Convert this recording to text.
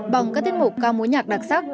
bằng các tiết mục ca mối nhạc đặc sắc